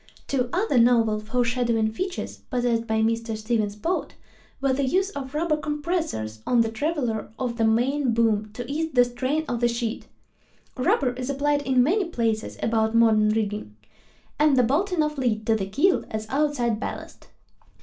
Two other novel, foreshadowing features possessed by Mr. Stevens' boat, were the use of rubber compressors on the traveler of the main boom to ease the strain of the sheet (rubber is applied in many places about modern rigging), and the bolting of lead to the keel as outside ballast.